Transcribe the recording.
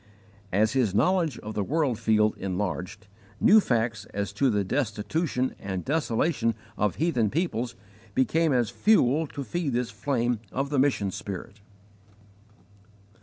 As his knowledge of the world field enlarged, new facts as to the destitution and the desolation of heathen peoples became as fuel to feed this flame of the mission spirit.